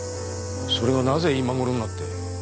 それがなぜ今ごろになって。